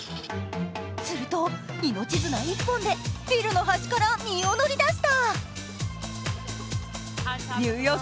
すると、命綱１本でビルの端から身を乗り出した。